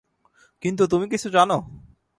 কিন্তু তুমি কিছু জানো?